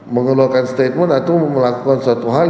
mengeluarkan statement atau melakukan suatu hal